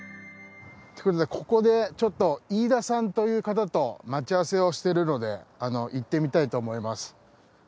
ということでここで飯田さんという方と待ち合わせをしているので行ってみたいと思います。